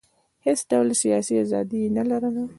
هېڅ ډول سیاسي ازادي یې نه لرله.